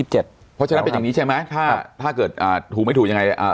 เพราะฉะนั้นเป็นอย่างนี้ใช่ไหมถ้าเกิดถูกไม่ถูกยังไง